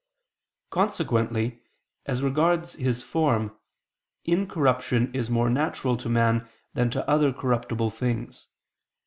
Consequently as regards his form, incorruption is more natural to man than to other corruptible things.